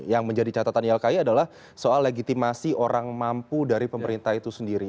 yang menjadi catatan ylki adalah soal legitimasi orang mampu dari pemerintah itu sendiri